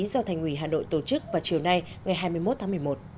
do thành ủy hà nội tổ chức vào chiều nay ngày hai mươi một tháng một mươi một